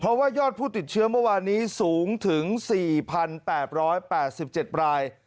เพราะว่ายอดผู้ติดเชื้อเมื่อวานนี้สูงถึงสี่พันแปบร้อยแปดสิบเจ็ดราย